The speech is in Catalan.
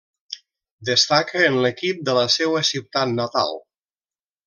Destaca en l'equip de la seua ciutat natal.